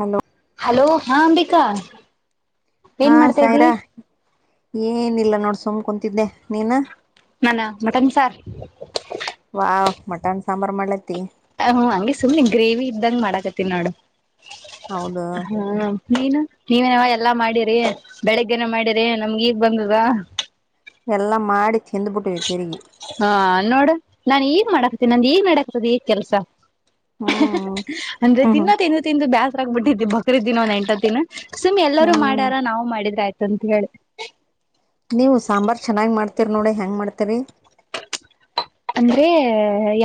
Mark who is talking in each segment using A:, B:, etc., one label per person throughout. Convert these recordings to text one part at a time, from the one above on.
A: Hello
B: hello ಹಾ ಅಂಬಿಕಾ.
A: ಹಾ
B: ಏನ್ ಮಾಡ್ತಾ ಇದಿ
A: ಸಾಯ್ರಾ. ಏನಿಲ್ಲ ನೋಡ್ ಸುಮ್ ಕುಂತಿದ್ದೆ ನೀನ.
B: ನಾನ ಮಟನ್ ಸಾರ್.
A: ವಾಹ್ ಮಟನ್ ಸಾಂಬಾರ ಮಾಡ್ಲಾತ್ತಿ.
B: ಹ ಹು ಹಂಗೆ ಸುಮ್ನೆ ಗ್ರೇವಿ ಇದ್ದಂಗ್ ಮಾಡಕತಿನ್ ನೋಡು.
A: ಹೌದು
B: ಹ್ಮ ನೀನು ನೀವನಾವ ಎಲ್ಲಾ ಮಾಡಿರಿ ಬೆಳಿಗ್ಗೆನ ಮಾಡಿರಿ ನಮ್ಗ್ ಈಗ್ ಬಂದದ.
A: ಎಲ್ಲಾ ಮಾಡಿ. ತಿಂದ್ಬಿಟ್ಟಿವಿ ತಿರುಗಿ
B: ಹಾ ನೋಡ ನಾನ್ ಈಗ್ ಮಾಡಕ್ ನಂದ್ ಇಗ್ ಮಾಡಾಕ್ತದೆ ಈಗ್ ಕೆಲ್ಸ. ಹಃ ಹಃ
A: ಹ್ಮ್
B: ಹ ಅಂದ್ರೆ
A: ಹ್ಮ್
B: ದಿನ
A: ಹ್ಮ್
B: ತಿಂದು ತಿಂದು ಬ್ಯಾಸ್ರಗ್ಬುಟೈತ್. ಇ ಬಕ್ರಿದ್ ದಿನ ಒಂದ್ ಎಂಟ್ ಹತ್ ದಿನ. ಸುಮ್ ಎಲ್ಲರೂ
A: ಹ್ಮ್
B: ಮಾಡ್ಯಾರ ನಾವ್ ಮಾಡಿದ್ರ ಆಯ್ತ. ತಂತ್ ಹೇಳಿ.
A: ನೀವು ಸಾಂಬಾರ್ ಚೆನ್ನಾಗ್ ಮಾಡ್ತೀರ್ ನೋಡಿ ಹೆಂಗ್ ಮಾಡ್ತಿರಿ.
B: ಅಂದ್ರೆ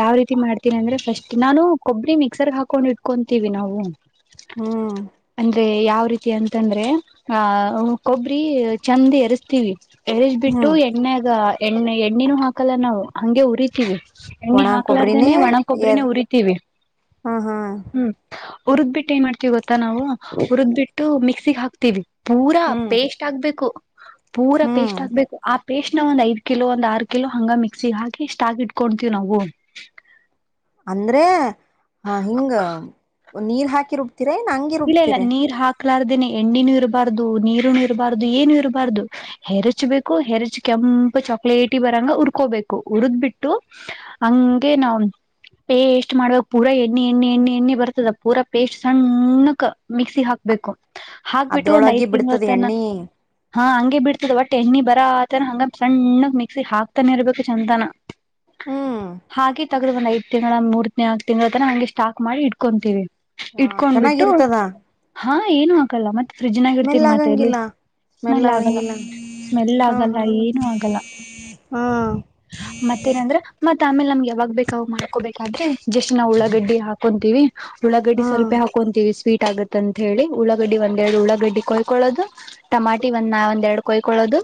B: ಯಾವ್ ರೀತಿ ಮಾಡ್ತೀನ್ ಅಂದ್ರೆ ಫಸ್ಟ್ ನಾನು ಕೊಬ್ರಿ ಮಿಕ್ಸರ್ ಹಾಕೊಂಡ್ ಇಟ್ಕೊಂತೀವಿ ನಾವು.
A: ಹ್ಮ್
B: ಅಂದ್ರೆ ಯಾವ್ ರೀತ್ ಏನ್ತಂದ್ರೆ ಆಹ ಹು ಕೊಬ್ರಿ ಚಂದ್ ಎರುಸ್ತೀವಿ. ಎರುಜ್ ಬಿಟ್ಟು
A: ಹ್ಮ್
B: ಎಣ್ಣೆಗ. ಎಣ್ಣೆ ಎಣ್ಣಿನೂ ಹಾಕಲ್ಲ ನಾವ್. ಹಂಗೆ ಉರಿತೀವಿ ಎಣ್ಣಿ
A: ಒಣ ಕೊಬ್ಬರಿನೇ
B: ಹಾಕ್ಲಾರ್ದೇನನೆ ಒಣಕ್ಕೊಬ್ರನ
A: ಎರ್
B: ಹುರಿತೀವಿ
A: ಹಾ ಹಾ
B: ಹ್ಮ್ ಹುರದ್ ಬಿಟ್ಟ ಏನ್ ಮಾಡ್ತೀವಿ ಗೊ ಮತ್ತ ನಾವು ಹುರದ್ ಬಿಟ್ಟು ಮಿಕ್ಸಿಗೆ ಹಾಕ್ತೀವಿ ಪೂರಾ
A: ಹ್ಮ್
B: ಪೇಸ್ಟ್ ಆಗ್ಬೇಕು ಪೂರಾ
A: ಹ್ಮ್
B: ಪೇಸ್ಟ್ ಹಾಕ್ಬೇಕು ಆ ಪೇಸ್ಟ್ ನ ಒಂದ ಐದು ಕಿಲೋ ಒಂದ್ ಆರೂ ಕಿಲೋ ಹಂಗ ಮಿಕ್ಸಿಗೆ ಹಕಿ ಎಷ್ಟ ಆಗಿಟ್ಕೊತೀವಿ ನಾವು
A: ಅಂದ್ರೆ ಹ ಹಿಂಗ ನೀರ ಹಾಕಿರು ರೇನ ಹಂಗೆ ರುಬ್ತಿರ
B: ಹಾಕ್ಲಾರದೇನೆ ಎಣ್ಣಿನೂ ಇರಬಾರ್ದು ನೀರುನು ಇರಬಾರ್ದು ಏನು ಇರಬಾರ್ದು ಹೆರಚ್ಬೇಕು ಹೆರಚ್ ಕೆಂಪ ಚಾಕ್ಲೇಟಿ ಬರಂಗ ಉುರ್ಕೋಬೇಕು ಉರುದ್ ಬಿಟ್ಟು ಹಂಗೆ ನಾವು ಪೇಸ್ಟ್ ಮಾಡ್ಬೇಕ ಪೂರಾ ಎಣ್ಣೆ ಎಣ್ಣೆ ಎಣ್ಣೆ ಎಣ್ಣೆ ಬರ್ತದ ಪೂರಾ ಪೇಸ್ಟ್ ಸಣ್ಣ ಹ ಮಿಕ್ಸಿ ಹಾಕ್ಬೇಕು ಹಾಕ್ಬಿಟ್ಟು ಒಂದ್ ಐದ
A: ಅದ್ರೊಳಗೆ ಬಿಡ್ತದ
B: ತಿಂಗಳತ್ತ
A: ಎಣ್ಣಿ
B: ಹಾ ಹಂಗೆ ಬಿಡ್ತದೆ ಒಟ್ಟ ಎಣ್ಣಿ ಬರಾತನ ಹಂಗ ಸಣ್ಣಗ್ ಮಿಕ್ಸಿ ಹಾಕ್ತಾನೆ ಇರ್ಬೇಕು ಚಂತನ
A: ಹ್ಮ್
B: ಹಾಗೆ ತಗಬನ್ ಐತ ತಿಂಗಳ ಮೂರ್ನಾಕ್ ತಿಂಗಳ ತನ ಹಂಗೆ ಸ್ಟಾಕ್ ಮಾಡಿ ಇಟ್ಕೊಂತೀವಿ
A: ಹಾ
B: ಇಟ್ಕೊಂಡ್ಬಿಟ್ಟು
A: ಚೆನ್ನಾಗಿರ್ತಿ
B: ಹಾ ಏನು ಆಗಲ್ಲ ಮತ್ತೆ ಫ್ರಿಜ್ನಾಗ
A: ಸ್ಮೆಲ್
B: ಇಡ್ತೀನಿ ಮತ್ತೇಲ್
A: ಆಗಂಗಿಲ್ಲ
B: ಸ್ಮೆಲ್ ಆಗಲ್ಲ ಸ್ಮೆಲ್
A: ಹಾ
B: ಆಗಲ್ಲ
A: ಹಾ
B: ಏನು ಆಗಲ್ಲ
A: ಹಾ
B: ಆ ಮತ್ತ ನಂದ್ರ. ಮತ್ತ್ ಆಮೇಲೆ ನಮ್ಗೆ ಯಾವಾಗ್ ಬೇಕಾವಾಗ್ ಮಾಡ್ಕೋಬೇಕಂದ್ರೆ ಜಸ್ಟ್ ನಾವು ಉಳ್ಳಳಾಗಡ್ಡಿ ಹಾಕಂತೀವಿ. ಉಳ್ಳಾಗಡ್ಡಿ
A: ಹಾ
B: ಸ್ವಲ್ಪ ಹ. ಸ್ವೀಟ್ ಆಗುತ್ತ ಅಂತ ಹೇಳಿ ಉಳ್ಳಾಗಡ್ಡಿ ಒಂದೆರಡು ಉಳ್ಳಾಗಡ್ಡಿ ಕೊಯ್ಕೊಳ್ಳೋದು ಟಮಾಟಿ ಒಂದ್ ನ ಒಂದೆರಡ್ ಕೊಯ್ಕೊಳ್ಳೋದು.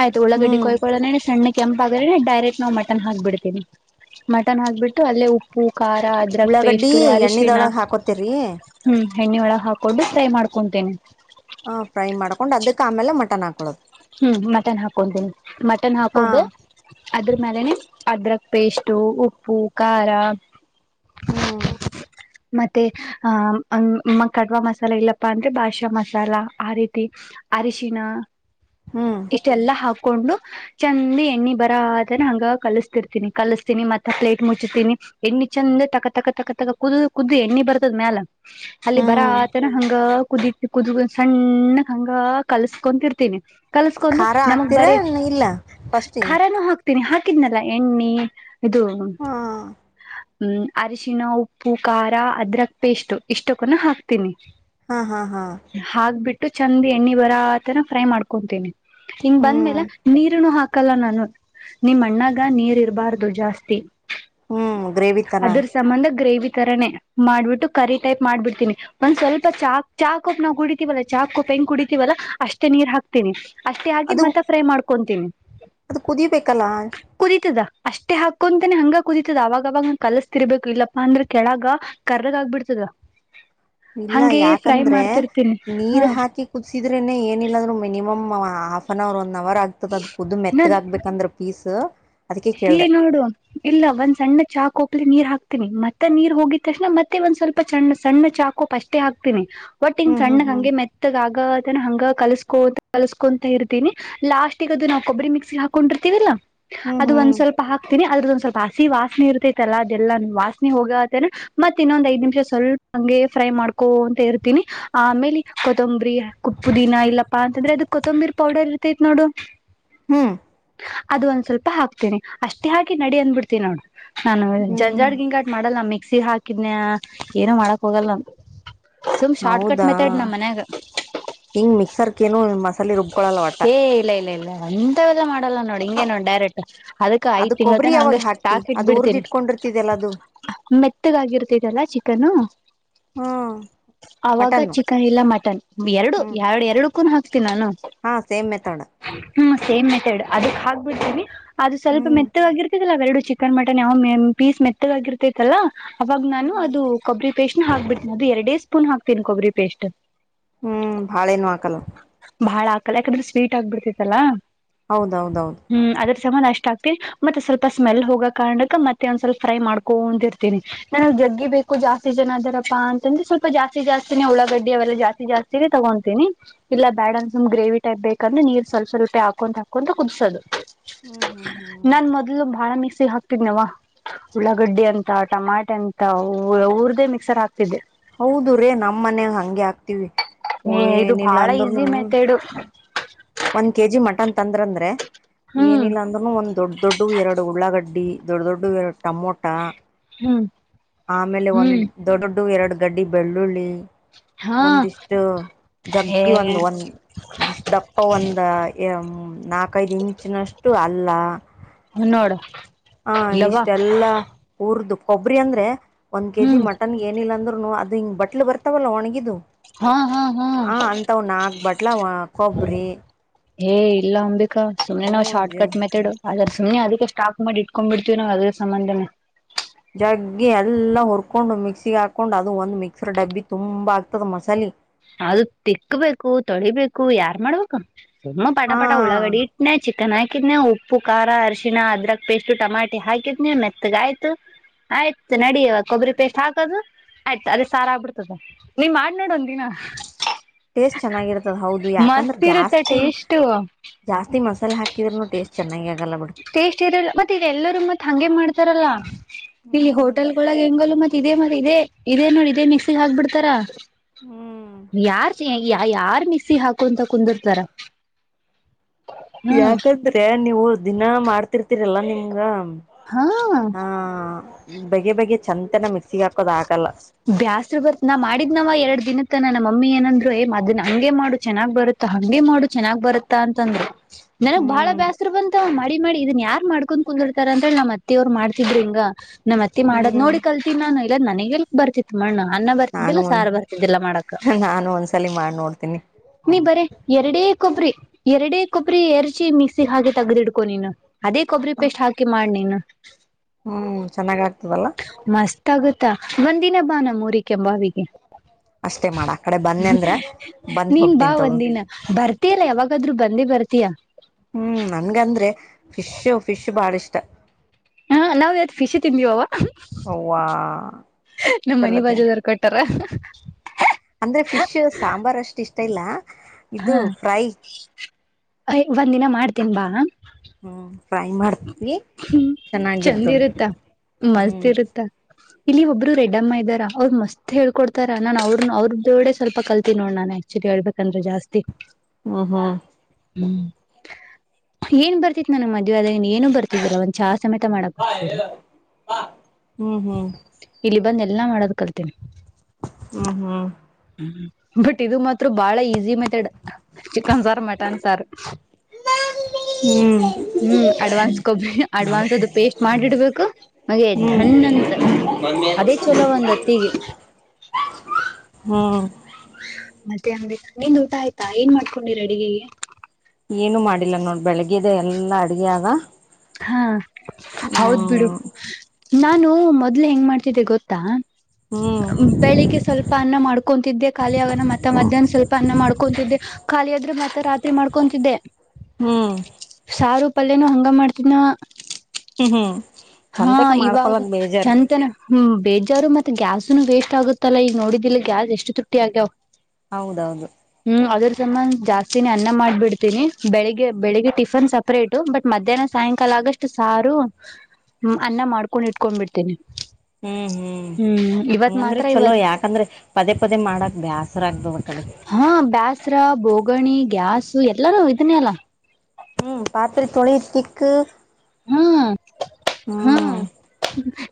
B: ಆಯ್ತುಳಗಡ್ಡಿ
A: ಹ್ಮ್
B: ಕೊಯಕೊಳ್ಳೋಣ ಸ್ಣ. ಕೆಂಪಾದ್ರೆ ಡೈರೆಕ್ಟ್ ನಾವು ಮಟನ್ ಹಾಕ್ಬಿಡ್ತೀವಿಿ ಮಟನ್ ಹಾಕ್ಿಬಿಟ್ಟು ಅಲ್ಲೇ ಉಪ್ಪು. ಖಾರ ಅದ್ರಕ್
A: ಉಳ್ಳಾಗಡ್ಡಿ
B: ಪೇಸ್ಟು ಅರಿಶಿಣ
A: ಎಣ್ಣಿದೊಳಗ್ ಹಾಕೋತಿರ್ರಿ.
B: ಹ್ಮ್ ಎಣ್ಣಿ ಒಳಗೆ ಹಾಕೊಂಡು ಫ್ರೈ ಮಾಡ್ಕೊತೇನೆ.
A: ಹ ಫ್ರೈ ಮಾಡ್ಕೊಂಡ್ ಅದಕ್ ಆಮೇಲೆ ಮಟನ್ ಹಾಕೊಳ್ಳದು
B: ಹ್ಮ್ ಮಟನ್ ಹಾಕೊಂತೀನಿ ಮಟನ್
A: ಹಾ
B: ಹಾಕೊಂಡು ಅದ್ರ ಮೇಲೆನೆ ಅದ್ರಕ್ ಪೇಸ್ಟು ಉಪ್ಪು ಖಾರ
A: ಹ್ಮ
B: ಮತ್ತೆ ಅಹ ಕಡವಾ ಮಸಾಲೆ ಇಲ್ಲಪ್ಪಾ ಅಂದ್ರೆ ಬಾಷಾ ಮಸಾಲ ಆ ರೀತಿ ಅರಶಿನ
A: ಹ್ಮ್
B: ಇಷ್ಟೆಲ್ಲಾ ಹಾಕ್ ಕೊಂಡು ಚಂದ ಎಣ್ಣಿ ಬರಾತನ ಹಂಗ ಕಲಸ್ತಿರ್ತೀನಿ ಕಲಸ್ತೀನಿ ಮತ್ತ ಪ್ಲೇಟ್ ಮುಚ್ತೀನಿ ಎಣ್ಣಿ ಚಂದ ತಕ ತಕ ತಕ ತಕ ಕುದ ಕುದ ಎಣ್ಣಿ ಬರ್ತದ ಮ್ಯಾಲ ಅಲ್ಲಿ
A: ಹ್ಮ್
B: ಬರಾತನ ಹಂಗ ಕುದ ಕುದಕ ಸಣ್ಣ ಹಂಗ ಕಲಸ್ಕೊಂತರ್ತೀನಿ ಕಲ್ಸ್ಕೊಂಡು
A: ಖಾರ
B: ನಮಗ್
A: ಹಾಕ್ತೀರಾ
B: ಬರೀ
A: ಇಲ್ಲ ಫಸ್ಟಿಗೆ
B: ಖರನು ಹಾಕ್ ಹಾಕಿದ್ನಲ್ಲ ಹಾಕಿದ್ನಲ್ಲಾ ಎಣ್ಣೆ ಇದು
A: ಹಾ
B: ಹ್ಮ ಅರಶಿಣ ಉಪ್ಪು ಖಾರ ಅದ್ರಕ್ ಪೇಸ್ಟ್ ಇಷ್ಟಕ್ಕುನು ಹಾಕ್ತೀನಿ
A: ಹಾ ಹಾ ಹಾ
B: ಹಾಕ್ಬಿಟ್ಟು ಚಂದ ಎಣ್ಣಿ ಬರ ಆ ತರ ಫ್ರೈ ಮಾಡ್ಕು ಮಾಡ್ಕೊಂತೀನಿ ಹಿಂಗ್
A: ಹ್ಮ್
B: ಬಂದ್ಮೇಲ ನೀರು ಹಾಕ ಹಾಕಲ್ಲ ನಾನು ನಿಮ್ಮ ಅಣ್ಣಗ ನೀರ್ ಇರ್ಬಾರ್ದು ಜಾಸ್ತಿ
A: ಹ್ಮ್ ಗ್ರೇವಿ ತರ
B: ಅದ್ರ ಸಂಬಂಧ ಗ್ರೇವಿ ತರಾನನೆ ಮಾಡ್ಬಿಟ್ಟು ಕರಿ ಟೈಪ್ ಮಾಡ್ಬಿಡ್ತೀನಿ ಒಂದ್ ಸ್ವಲ್ಪ ಚಾ ಚಾ ಕಪ್ ನಾವು ಕುಡಿತೀವಲ್ಲ ಚಾಕ್ ಕಪ್ ಹೆಂಗ್ ಕುಡಿತೀವಲ್ಲ ಅಷ್ಟೇ ನೀರ್ ಹಾಕ್ [unintelligible] ಅಷ್ಟೇ ಹಾಕಿ
A: ಅದು
B: ಮತ್ತೆ ಫ್ರೈ ಮಾಡ್ಕು [unintelligible]
A: ಅದು ಕೂದಿಬೇಕಲ್ಲಾ
B: ಕುದೀತದ ಅಷ್ಟೇ ಹಾಕೊಂತಾನನೆ ಹಂಗ ಕುದತದ ಅವಾಗವಾಗ ನ ಕಲಸ್ತಿರ್ಬೇಕು ಇಲ್ಲಪ್ಪಾ ಅಂದ್ರೆ ಕೆಳಗ ಕರ್ರಗ ಆಗ್ಬಿಡ್ತದ
A: ಇಲ್ಲ
B: ಹಂಗೆ ಫ್ರೈ
A: ಯಾಕಂದ್ರೆ
B: ಮಾಡ್ತಿರ್ತೀನಿ ಹಾ
A: ನೀರ್ ಹಾಕಿ ಕುದಸಿದ್ರೇನೆ ಏನಿಲ್ಲಂದ್ರರು ಮಿನಿಮಮ್ ಹಾಫ್ನ್ ಅವರ್ ಒಂದು ಹೌರ್ ಆಗ್ತದ ಅದ ಕುದ್
B: ನನ್
A: ಮೆತ್ತತ್ಗಾಗಗ್ಬೇಕಂದ್ರೆ ಪೀಸ್ ಅದಕ್ಕೆ ಕೇಳ್ದ
B: ಇಲ್ಲಿ ನೋಡು ಇಲ್ಲ ಒಂದ್ ಸಣ್ಣ ಚಹಾ ಕಪ್ಲಿ ನೀರ್ ಹಾಕ್ ಹಾಕ್ತನಿ ಮತ್ತೆ ನೀರ್ ಹೋಗಿದ ತಕ್ಷಣ ಮತ್ತೆ ಒಂದ್ ಸ್ವಲ್ಪ ಸಣ್ಣ ಸಣ್ಣ ಚಾಕೋಪ್ ಅಷ್ಟೇ ಹಾಕ್ತೀನಿ. ಒಟ್ ಹಿಂಗ
A: ಹ್ಮ್ ಹ್ಮ್
B: ಸಣ್ಣಗ್
A: ಹ್ಮ್
B: ಹಂಗೆ ಮೆತ್ತಗ ಆಗದ್ ಹಂಗ ಕಲ್ಸ್ಕೋತ ಕಲ್ಸ್ಕೊಂತ ಇರ್ತೀನಿ ಲಾಸ್ಟ್ಗ ಅದು ನಾವು ಕೊಬ್ಬರಿ ಮಿಕ್ಸಿಗೆ ಹಾಕೊಂಡಿರ್ತೀವಲ್ಲಾ
A: ಹ್ಮ್
B: ಅದು ಒಂದ್
A: ಹ್ಮ್
B: ಸ್ವಲ್ಪ ಹಾ ಕ್ತಿನಿ ಅದ್ರದೊಂದ್ ಸ್ವಲ್ಪ ಹಸಿ ವಾಸನೆ ಇರ್ತೈತಲ್ಲ ಅದೆಲ್ಲಾ ವಾಸನೆ ಹೋಗತನ ಮತ್ ಇನ್ನೊಂದ್ ಐದ ನಿಮಿಷ ಸ್ವಲ್ಪ ಹಂಗೆ ಫ್ರೈ ಮಾಡ್ಕೊಂತ ಇರ್ತೀನಿ ಆಮೇಲೆ ಕೊತ್ತಂಬ್ರರಿ ಪುದಿನ ಇಲ್ಲಪ್ಪಾ ಅಂತಂದ್ರೆ ಅದ ಕೊತ್ತಂಬಿರ್ ಪೌಡರ್ ಇರ್ತೈತ್ ನೋಡು
A: ಹ್ಮ್
B: ಅದು ಒಂದ್ ಸ್ವಲ್ಪ ಹಾಕ್ ತಿನಿ ಅಷ್ಟೇ ಹಾಕಿ ನಡಿ ಅಂದ್ಬಿಡ್ತೀನ್ ನೋಡು ನಾನು
A: ಹ್ಮ್
B: ಜಂಜಾಡ್ ಗಿಂಗಾಟ್ ಮಾಡಲ್ಲಮ್ಮಿ ಮಕ್ಸಿ ಹಾಕಿದ್ನ್ಯ ಏನೋ ಮಾಡಕ್ ಹೋಗಲ್ಲ ನಾನ್
A: ಹೌದಾ ಹಿಂಗ ಮಿಕ್ಸರ್ಕ ಏನು ಮಸಾಲೆ ರುಬ್ಕೊಳಲ್ಲ ಒಟ್ಟ
B: ಏ ಇಲ್ಲ ಇಲ್ಲ ಇಲ್ಲ ಅಂತವೆಲ್ಲ ಮಾಡಲ್ಲ ನೋಡಿ ಹಿಂಗೆ ನೋಡ್ ಡೈರೆಕ್ಟ್ [unintelligible] ಅದಕ್
A: ಅದು
B: ಐದ್ ತಿಂಗಳ
A: ಕೊಬ್ಬರಿ
B: ತನ
A: ಯಾವಾಗ
B: ಹಂಗೆ
A: ಹಾಕ್ತಿ
B: ಸ್ಟಾಕ್
A: ಅದು ಉರ್ದ್
B: ಇಟ್ಬಿಡ್ತೇನಿ
A: ಇಟ್ಕೊಂಡಿರ್ತಿದಲ್ಲ ಅದು
B: ಮೆತ್ತಗಾಗಿರ್ತದೆಲ್ಲ ಚಿಕ್ಕ [unintelligible]
A: ಹ್ಮ್
B: ಅವಾಗ
A: ಮಟನ್ನು
B: ಚಿಕನ್ ಇಲ್ಲ ಮಟನ್ ಎರಡು
A: ಹ್ಮ್
B: ಎರಡು ಎರಡುಕ್ಕೂ ಹಾಕ್ತೀನಿ ನಾನು
A: ಹಾ ಸೇಮ್ ಮೆಥಡ್
B: ಹ್ಮ್ ಸೇಮ್ ಮೆಥಡ್ ಅದಕ್ ಹಾಕ್ಬಿಡ್ತೀನಿ. ಅದು ಸ್ವಲ್ಪ
A: ಹ್ಮ್
B: ಮೆತ್ತಗ್ ಆಗಿರ್ತೈತ್ ಏಲ್ಲ ಅವೆರ್ಡು ಚಿಕನ್ ಮಟನ್ ಯಾವ್ ಮೆಮ್ ಪೀಸ್ ಮೆತ್ತದಾಗಿರ್ತೈತ್ತಲ್ಲಾ. ಅವಾಗ್ ನಾನು
A: ಹ್ಮ್
B: ಅದು ಕೊಬ್ರಿ ಪೇಸ್ಟ್ನ ಹಾಕ್ಬಿಡ್ತೀನಿ ಅದು ಎರಡೇ ಸ್ಪೂನ್ ಹಾಕ್ತೀನ್ ಕೊಬ್ರಿ ಪೇಸ್ಟ್.
A: ಹ್ಮ್ ಭಾಳೆನು ಆಕಲ್ಲ.
B: ಬಾಳ್ ಹಾಕಲ್ಲ ಯಾಕಂದ್ರೆ ಸ್ವೀಟ್ ಆಗ್ಬಿಡ್ತೈತಲ್ಲಾ.
A: ಹೌದೌದೌದು.
B: ಅಷ್ಟ್ ಆಗ್ತಿವ್ ಮತ್ ಸ್ವಲ್ಪ ಸ್ಮೆಲ್ ಹೋಗೋ ಕಾರ್ಣಕ್ಕ ಮತ್ತೆ ಒಂದ್ ಸ್ವಲ್ಪ ಫ್ರೈ ಮಾಡ್ಕೊಂಡಿರ್ತೀನಿ ನಾನ ಜಗ್ಗಿ ಬೇಕು ಜಾಸ್ತಿ ಜನ ಅದಾರಪ್ಪಾ ಅಂತಂದ್ರೆ ಸ್ವಲ್ಪ ಜಾಸ್ತಿ ಜಾಸ್ತಿನೇ ಉಳ್ಳಾಗಡ್ಡಿ ಅವೆಲ್ಲ ಜಾಸ್ತಿ ಜಾಸ್ತಿನೇ ತಗೊಂತಿನಿ ಇಲ್ಲ ಬ್ಯಾಡಂದುಮ್ ಗ್ರೇವಿ ಟೈಪ್ ಬೇಕಂದ್ರ ನೀರ್ ಸ್ವಪ ಸ್ವಲ್ಪೆ ಹಾಕೊಂತ ಹಾಕೊಂತ ಕುದ್ಸೋದು.
A: ಹ್ಮ್ ಹ್ಮ್ ಹ್ಮ್
B: ನಾನ್ ಮೊದ್ಲು ಬಾಳ ಮಿಸ್ ಕ್ಸಿ ಹಾಕ್ತಿದ್ನವ ಉಳ್ಳಾಗಡ್ಡಿ ಅಂತ ಟಮಾಟೆ ಅಂತ ಊ ಹುರ್ದೆ ಮಿಕ್ಸರ್ ಹಾಕ್ತಿದ್ದೆ.
A: ಹೌದು ರೇ ನಮ್ ಮನೆ ಹಂಗೆ ಆ
B: ಹೆ ಇದು ಬಾಳ easy method.
A: One KG mutton. ತಂದ್ರ್ ಅಂದ್ರೆ
B: ಹ್ಮ್
A: ಏನಿಲ್ಲ ಅಂದ್ರೂನು ಒಂದ್ ದೊಡ್ ದೊಡ್ಡು ಎರಡ್ ಉಳ್ಳ. ಳ್ಳಾಗಡ್ಡಿ ದೊಡ್ಡ್ ದೊಡ್ಡವೇರಡ್ ಟಮೋಟಾ.
B: ಹ್ಮ್
A: ಆಮೇಲೆ ಒಂದ್
B: ಹ್ಮ್
A: ದೊಡೋಡ್ ದು ಎರಡ್ ಗಡ್ಡಿ ಬೆಳ್ಳುಳ್ಳಿ.
B: ಹಾ
A: ಒಂದಿಷ್ಟು
B: ಏ
A: ಜಗ್ಗಿ ಒಂದು ಒಂದ್ ಒಂದಿಷ್ಟ್ ದಪ್ಪ ಅವ್ ಒಂದ ಏ ಏಮ್ ನಾಕ್ ಕೈದ್ ಇಂಚ್ ನಷ್ಟ್ ಟು ಅಲ್ಲ.
B: ಇಲ್ ನೋಡ.
A: ಹಾ ಇಷ್ಟೆಲ್ಲಾ ಉರ್ದು. ಕೊಬ್ರಿ ಅಂದ್ರೆ. ಒಂದ್ ಕೆ ಜಿ
B: ಹ್ಮ್
A: ಮಟನ್ಗ್ ಏನಿಲ್ಲ ಅಂದ್ರು ನು ಅದು ಹಿಂಗ್ ಬಟ್ಲು ಬರ್ತಾವಲ್ಲ ಒಣ್ಗಿದು.
B: ಹಾ ಹಾ ಹಾ
A: ಹ ಅಂತವ್ ನಾಕ್ ಬಟ್ಲ ಅವ ಕೊಬ್ರಿ.
B: ಹೇ ಇಲ್ಲ ಒಂಬಿಕ್ ಕ ಸುಮ್ನೆ ನಾವ್ ಶಾರ್ಟ
A: ಜ
B: ಕಟ್ ಮೆತೆಡ್ ಅದ್ರಸ್ ಸುಮ್ನೆ ಅದಕ್ಕೆ ಸ್ಟಾಪ್ ಮಾಡ್ ಇಟ್ಕೊಂಡ್ ಬಿಡ್ತೀವ್ ನಾವ್ ಅದ್ರ ಸಂಬಂದನೆ.
A: ಜಗ್ಗಿ ಎಲ್ಲ ಹೊರ್ಕೊಂಡು ಮಿಕ್ಸಿಗ್ ಹಾಕೊಂಡು ಅದು ಒಂದು ಮಿಕ್ಸರ್ ಡಬ್ಬಿ ತುಂಬಾ ಆಗ್ತದೆ ಮಸಾಲಿ.
B: ಅದು ತಿಕ್ಬೇಕು ತೊಳಿಬೇಕು ಯಾರ್ ಮಾಡ್ಬೇಕ. ಸುಮ ಪಟ ಪಟ
A: ಹಾಂ
B: ಉಳ್ಳಾಗಡ್ಡಿ ಇಟ್ಟನೆ ಚಿಕನ್ ಹಾಕಿದ್ನನೆ ಉಪ್ಪ- ಉಪ್ಪು ಖಾರ ಅರಶಿಣ ಅದ್ರಕ್ ಪೇಸ್ಟ್ ಟಮಾಟಿ ಹಾಕಿದ್ ನೀ ಮೆತ್ತಗ ಆಯ್ತು ಆಯ್ತು ನಡಿವ ಕೊಬ್ಬರಿ ಪೇಸ್ಟ್ ಹಾಕೋದು ಆಯ್ತು ಅದ ಸಾರ ಆಗ್ಬಿಡ್ತದ ನೀವ್ ಮಾಡ್ ನೋಡ ಒಂದ ದಿನ [inaudible]
A: ಟೇಸ್ಟ್ ಚೆನ್ನಾಗಿರ್ತದೆ ಹೌದು ಯಾಕಂದ್ರೆ
B: ಮಸ್ತ್ ಇರುತ್ತೆ
A: ಜಾಸ್ತಿ
B: ಟೇಸ್ಟೇ.
A: ಜಾಸ್ತಿ ಮಸಾಲೆ ಹಾಕಿದ್ರೂ ಟೇಸ್ಟ್ ಚೆನ್ನಾಗಿ ಆಗಲ್ಲ ಬಿಡು
B: ಟೇಸ್ಟ್ ಇರಲ್ಲ ಮತ್ತೆ ಇಲ್ಲರ ಮ ಹಗೆ ಮಾಡ್ತಾರಲ್ಲ ಇಲ್ಲಿ
A: ಹ್ಮ್
B: ಹೋಟೆಲ್ಗಳಳ ಹೆಂಗ ಮ- ಇದದೆ ಮರಿ ಇದದೆ ಇದೇ ನೋಡಿ ಇದೇ ಮಿಕ್ಸಿಗೆ ಹಾಕ್ಬಿಡ್ತಾರಾ
A: ಹ್ಮ್
B: ನೀ ಯಾರ ಸಿರ- ಆ ಯಾರ್ ಮಿಕ್ಸಿಗೆ ಹಾಕು ಅಂತ ಕುಂದರ್ತಾರ.
A: ಯಾಕಂದ್ರೆ ನೀವು ದಿನ ಮಾಡ್ತಿರ್ತೀರಲ್ಲ ನಿಮ್- ಅಂಗ.
B: ಹಾ
A: ಹಾ ಬೆಗಿ ಬೆಗಿ ಚಂದ-
B: ಬ್ಯಾಸರು ಬರ್ತ್ ನಾ ಮಾಡಿದ್ನವ ಎರಡ್ ದಿನ. ಮತ್ತ ನನ್ನ ಮಮ್ಮಿ ಏನಂದ್ರು ಏ ಅದ್ನ್ನ ಹಂಗೆ ಮಾಡ ಚೆನ್ನಾಗಿ ಬರುತ್ತಾ ಹಂಗೆ ಮಾಡು ಚೆನ್ನಾಗ್ ಬರುತ್ತಾ ಅಂತಂದ್ರು. ನನಗ್ ಬಾಳ
A: ಹ್ಮ್
B: ಬ್ಯಾಸರು ಬಂತಾವ ಮಾಡ- ಮಾಡಿ ಇದನ್ ಯಾರ್ ಮಾಡ್ಕೊಂಡ್ ಕುಂದುರ್ತಾರ ಅಂತ ಹೇಳಿ ನಮ್ಮತ್ತೆ ಅವರು ಮಾಡ್ಸಿದ್ರು ಹಿಂಗ. ನಮ್ಮತ್ತೆ ಮಾಡೋದು
A: ಹ್ಮ್
B: ನೋಡಿನೋಡಿ ಕಲ್- ಇನ್ನೆಲ್ಲಿ ನನಗೆಲ್ಲಿ ಬರ್ತಿತ್ತು ಮಣ್ಣು.. ಅನ್ನ ಬರ್ತಿದ್ದಿಲ್ಲ
A: ನಾನು ಒಂದ್
B: ಸಾರ ಬರ್ತಿದ್ದಿಲ್ಲ ಮಾಡಕ
A: ನಾನು ಒಂದ್ಸಲಿ ಮಾಡ್ ನೋಡ್ತೀನಿ
B: ನೀ ಬರೇ ಎರಡೇ. ಕೊಬ್ಬರಿ ಎರಡೇ ಕೊಬ್ಬರಿ ಎರ್ಚಿ ಮಿಕ್ಸಿಗೆ ಹಾಗೆ ತೆಗೆದು ಇಡ್ಕೊ ನೀನು. ಅದೇ ಕೊಬ್ಬರಿ ಪಸ್ಟ್ ಹಾಕಿ ಮಾಡು ನೀನು.
A: ಹ್ಮ್ ಚೆನ್ನಾಗಿ ಆಗುತ್ತೆ.
B: ಮಸ್ತ್ ಆಗುತ್ತೆ. ಮತ್ತಾ ಒಂದಿನ ಬಾ ನಮ್ಮ ಊರಿಕೆ ಬಾವಿಗೆ.
A: ಅಷ್ಟೇ ಮಾಡ ಆ ಕಡೆ ಬಂದೆ ಅಂದ್ರ ಬಂದ್
B: ನೀನ್ ಬಾ
A: ಹೋಗ್ತೀನ್ ತಗೋ
B: ಒಂದಿನ ಬರ್ತಯಲ್ಲ ಯಾವಾಗದರೂ. ಬಂದೇ ಬರ್ತೀಯಾ.
A: ನನಗೆ ಅಂದರೆ ಫಿಶ್ ಫಿಶ್ ಬಹಳ ಇಷ್ಟ. ತ್ತ [inaudible]
B: ನಾವು ಇವತ್ತು ಫಿಶ್ ತಿಂದೀವ.
A: ಅವ್ವಾ
B: ನಮ್ಮ್ ಮನೆ
A: ಚಲೋ ತಿಂದ
B: ಬಾಜುದರ ಕೊಟ್ಟಾರ. ಹ [inaudible]
A: ಮಾತ್ತಿಲ್ಲ.
B: ಹಾ. ಒಂದ್ ದಿನ ಮಾಡ್ತೀನ್ ಬಾ.
A: ಹು.
B: ಹ್ಮ ಚಂದ್ ಇರುತ್ತ ಮಸ್ತ
A: ಹ್ಮ್
B: ಇರುತ್ತ. ಇಲ್ಲಿ ಒಬ್ರು ರೆಡ್ಡಮ್ಮ ಇದ್ದಾರ ಅವ್ರು ಮಸ್ತ್ ಹೇಳ್ಕೊಡ್ತಾರ ನಾನ್ ಅವ್ರ್ ಅವ್ರ್ ದೊಡೆ ಸ್ವಲ್ಪ ಕಲ್ತಿ ನೋಡ್ನ ನಾನ್ ಆಕ್ಚುಲಿ ಹೇಳ್ಬೇಕಂದ್ರೆ ಸ್ವಲ್ಪ ಜಾಸ್ತಿ.
A: ಹೂ ಹು.
B: ಪ್ ಏನ್ ಬರ್ತಿತ್ ನನ್ನ ಮದ್ವೆ ಅದ್ರೆ. ನನ್ಗೆ ಏನೂ ಬರ್ತಾ ಇದ್ದಿಲ ಒಂದ್ ಚಾ ಸಮೇತ ಮಾಡಕ್ ಬರ್ತಿದ್ದಿಲ
A: ಹ್ಮ್ ಹ್ಮ್ ಹ್ಮ್ ಹ್ಮ್
B: ಇಲ್ಲಿ ಬಂದ್ ಎಲ್ಲಾ ಮಾಡೋದ್ ಕಲ್ತೀನಿ.
A: ಹ್ಮ್ ಹ್ಮ್.
B: ಬಟ್ ಇದು ಮತ್ ತೃ ಬಾಳ ಈಸಿ ಮೆಥೆಡ್ ಚಿಕನ್ ಸಾರ್ ಮ ತನ್ ಸಾರ್. ಹ್ಮ್
A: ಹ್ಮ
B: ಅಡ್ವಾನ್ಸ್ ಕೊಬಿ ಅಡ್ವಾನ್ಸ್ ಅದು ಪೇಸ್ಟ್ ಮಾಡ್ ಇಡ್ಬೇಕು ಅಗೆ
A: ಹ್ಮ್ ಹ್ಮ್ ಹ್ಮ್
B: ದಂಡ್ ಅಂತ ಅದೆ ಚಲೋ ಒಂದೊತ್ತಿಗೆ.
A: ಹ್ಮ್
B: ನಿಂದ್ ಊಟ ಆಯ್ತಾ ಏನ್ ಮಾಡ್ಕೊಂಡಿರ್ ಅಡ್ಗಿಗೆ.
A: ಏನು ಮಾಡಿಲ್ಲ ನೋಡ್ ಬೆಳಿಗ್ಗೆ ದೆ ಎಲ್ಲಾ ಅಡ್ಗೆ ಅದ.
B: ಹಾ ಹೌದ್ ಬಿಡು. ನಾನು ಮೊದ್ಲ್ ಹೆಂಗ್ ಮಾಡ್ತಿದ್ದೆ ಗೊತ್ತಾ.
A: ಹ್ಮ್
B: ಬೆಳಿಗೆ ಸ್ವಲ್ಪ ಅನ್ನ ಮಾಡ್ಕೊಂತಿದ್ದೆ ಖಾಲಿಯಾವನ ಮತ್ತೆ ಮಧ್ಯಾಹ್ನ ಸ್ವಲ್ಪ ಅನ್ನ ಮಾಡ್ಕೊಂತಿದ್ದೆ. ಖಾಲಿಯಾದ್ರೆ ಮತ್ತೆ ರಾತ್ರಿ ಮಾಡ್ಕೊಂತಿದ್ದೆ.
A: ಹ್ಮ್
B: ಚಾರು ಪಲ್ಯನು ಹಂಗ ಮಾಡ್ ತಿನ.
A: ಹ್ಮ್ ಹ್ಮ್
B: ಹಾ
A: ಚಂತಕ
B: ಇವಾಗ
A: ಮಾಡ್ಕೊಳಕ್ ಬೇಜಾರ್
B: ಚಂತನ ಹ್ಮ್ ಬೇಜಾರು ಮತ್ತೆ ಗ್ಯಾಸ್ ತುನು ವೇಸ್ಟ್ ಆಗುತ್ತಲ್ಲ ಈಗ್ ನೋಡಿದಿಲ್ಲ ಗ್ಯಾಸ್ ಎಷ್ಟು ತುಟ್ಟಿ ಆಗ್ಯಾವ್.
A: ಹೌದೌದು.
B: ಜಮನ್ ಜಾಸ್ತಿನೇ ಅನ್ನ ಮಾಡ್ಬಿಡ್ತೀನಿ. ಬೆಳಿಗ್ಗೆ ಬೆಳಿಗ್ಗೆ ಟಿಫನ್ ಸಪ್ರೇಟ್. ಟೂ ಬಟ್ ಮಧ್ಯಾಹ್ನ ಸಾಯಂಕಾಲ ಆಗಷ್ಟು ಸಾರು ಅನ್ನ ಮಾಡ್ಕೊಂಡ್ ಇಟ್ಕೊಂಡ್ಬಿಡ್ತೇನಿ.
A: ಹ್ಮ್ ಹ್ಮ್
B: ಇವತ್
A: ಹಂಗಂದ್ರೆ
B: ಮಾತ್ರ
A: ಚಲೋ
B: ಇವತ್
A: ಯಾಕಂದ್ರೆ ಪದೇ ಪದೇ ಮಾಡಾಕ್ ಬ್ಯಾಸ್ರ ಅಗ್ತದ್ ಅ ಕಡಿ.
B: ಉಗಣಿ ಗ್ಯಾಸು ಎಲ್ಲಾರೂ ಇದನೇ ಅಲ್ಲ.
A: ಹು ಪಾತ್ರೆ ತೊಳಿ ತಿಕ್ಕು.
B: ಹ್ಮ್ ಹ್ಮ್.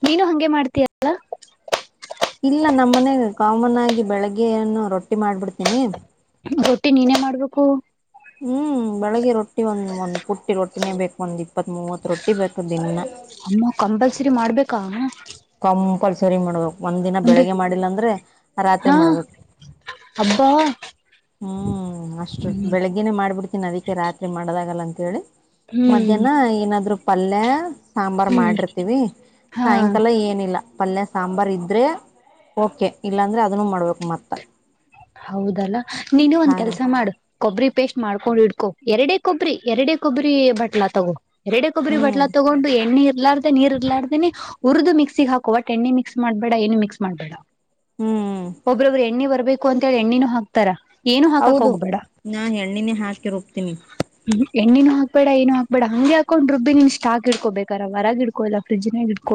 B: ನೀನು ಹಂಗೆ ಮಾಡ್ತೀಯಲ್ಲ.
A: ಇಲ್ಲ ನಮ್ಮನೆಗ್ ಕಾಮನ್ ಆಗಿ ಬೆಳಗ್ಗೆಯೆನು ರೊಟ್
B: ರೊಟ್ಟಿ ನೀನೇ ಮಾಡ್ಬೇಕ್.
A: ಹ್ಮ್ ಬೆಳಗ್ಗೆ ರೊಟ್ಟಿ ಒಂದ್ ಒಂದ್ ಪುಟ್ಟಿ ರೊಟ್ಟಿನೇ ಬೇಕು ಅಂದಿ ಇಪತ್ ಮೂವತ್ತ್ ರೊಟ್ಟಿ ಬೇಕು ದಿನ್ನಾ.
B: ಕಾಮ.
A: ಕಂಪಲ್ಸರಿ ಮಾಡ್ಬೇಕ್. ಒಂದ್ ದಿನ
B: ಅಂದ್ರೆ
A: ಬೆಳಗ್ಗೆ ಮಾಡಿಲ್ಲ ಅಂದ್ರೆ ರಾತ್ರಿ
B: ಹಾ
A: ಮಾಡ್ಬೇಕ್.
B: ಅಬ್ಬಾ
A: ಹ್ಮ್ ಹ್ಮ್ ಅಷ್ಟು ಬೆಳಗೆನೇ ಮಾಡ್ಬುಡ್ತೀನಿ ಅದಿಕ್ಕೆ ರಾತ್ರಿ ಮಾಡ್ದಾಗಲ್ಲ ಅಂ ಹೇಳಿ.
B: ಹ್ಮ್
A: ಮಧ್ಯಾಹ್ನ ಏನಾದ್ರು. ಪಲ್ಯೆ. ಸಾಂಬಾರ್
B: ಹ್ಮ್
A: ಮಾಡಿರ್ತೀವಿ
B: ಹಾ
A: ಸಾಯಂಕಾಲ ಏನಿಲ್ಲ. ಪಲ್ಯ ಸಾಂಬಾರ್ ಇರ್ದ್ರೆ ಓಕೆ ಇಲ್ಲಾಂದ್ರೆ ಅದ್ನು ಮಾಡ್ಬೇಕು ಮತ್ತ.
B: ಹೌದ್ ದಲ್ಲ ನೀನು ಒಂದ್
A: ಖಾರ
B: ಕೆಲಸ ಮಾಡು ಕೊಬ್ರಿ ಪೇಸ್ಟ್ ಮಾಡ್ಕೊಂಡ್ ಹಿಡ್ಕೊ ಎರಡೆ ಕೊಬ್ರಿ ಎರಡೆ ಕೊಬ್ರಿ ಬಟ್ಲಾ ತಗೋ. ಎರಡೆ ಕೊಬ್ರಿ
A: ಹ್ಮ್
B: ಬಟ್ಲಾ ತಗೊಂಡು ಎಣ್ಣಿ ಇಲ್ಲಾರ್ದೇ ನೀರ್ ಇಲ್ಲಾರ್ದೇ ಉರ್ದು ಮಿಕ್ಸಿಗ್ ಹಾಕ್ ಒಟ್ ಎಣ್ಣೀ ಮಿಕ್ಸ್ ಮಾಡ್ಬೇಡ ಏನು ಮಿಕ್ಸ್ ಮಾಡ್ಬೇಡ.
A: ಹ್ಮ್
B: ಒಬ್ರೊಬ್ರು ಎಣ್ಣಿ ಬರ್ಬೇಕ್ ಕೊ ಅಂತ್ ಹೇಳಿ ಎಣಣಿನೂ ಹಾಕ್ತಾರ.
A: ಹೌದು
B: ಹೋಗ್ಬೇಡ
A: ನಾನ್ ಎಣ್ಣಿನೇ ಹಾಕಿ ರುಬ್ತೀನಿ.
B: ಎಣ್ಣಿನು ಹಾಕ್ಬೇಡ ಏನು ಹಾಕ್ಬೇಡ ಹಂಗೆ ಹಾಕೊಂಡ್ ರುಬ್ಬಿ ನೀನ್ ಸ್ಟಾಕ್ ಇಡ್ಕೋ ಬೇಕಾರ ಹೊರಗ್ ಇಡ್ಕೋಲ್ಲ ಫ್ರಿಜ್ನಾಗ್ ಇಡ್ಕೋ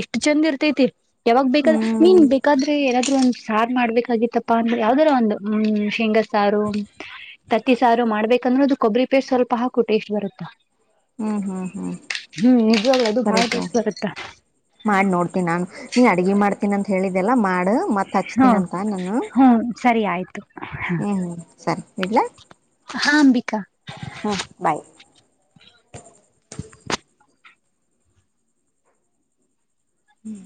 B: ಎಷ್ಟ್ ಚಂದ್ ಇರ್ತೈತಿ. ಯಾವಾಗ್ ಬೇಕಾದ್ರೆ ನೀನ್
A: ಹ್ಮ್
B: ಬೇಕಾದ್ರೆ ಯರ್ ತೃ ಒಂದ್ ಸಾರ್ ಮಾಡ್ಬೇಕಾಗಿತ್ತಪ್ ಪ ಅಂದ್ರೆ ಯಾವ್ದಾರ ಒಂದು ಶೇಂಗ ಸಾರು ತತ್ತಿ ಸಾರು ಮಾಡ್ಬೇಕಂದ್ರು ಅದು ಕೊಬ್ರಿ ಪೇಸ್ಟ್ ಸ್ವಲ್ಪ ಹಾಕು ಟೇಸ್ಟ್ ಬರುತ್ತಾ.
A: ಹ್ಮ್ ಹ್ಮ್ ಹ್ಮ್
B: ಹ್ಮ್ ನಿಜವಾಗ್ಲೂ ಅದು
A: ಸರಿ
B: ಬಹಳ
A: ತೊ
B: ಟೇಸ್ಟ್ ಬರುತ್ತಾ
A: ಮಾಡ್ ನೋಡ್ತೀನಿ ನಾನು ನೀ ಅಡ್ಗಿ ಮಾಡ್ತೀನ್ ಅಂತ್ ಹೇಳಿದ್ ದೆಲ್ಲ ಮಾಡ್ ಡ ಮತ್ತ್
B: ಹ್ಮ
A: ಹಚ್ತೀನಂತ ನನ್
B: ಹ್ಮ್ ಸರಿ ಆಯ್ತು
A: ಹ್ಮ ಹ್ಮ ಸರಿ ಇಡ್ಲ.
B: ಹಾ ಅಂಬಿಕಾ
A: ಹು ಬಾಯ್. ಹ್ಮ್.